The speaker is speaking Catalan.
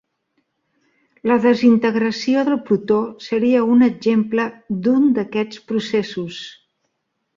La desintegració del protó seria ser un exemple d'un d'aquests processos.